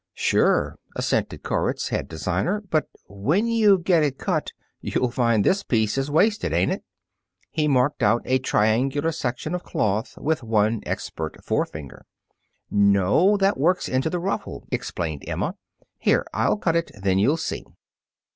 "Sure," assented Koritz, head designer; "but when you get it cut you'll find this piece is wasted, ain't it?" He marked out a triangular section of cloth with one expert forefinger. "No; that works into the ruffle," explained Emma. "Here, I'll cut it. Then you'll see."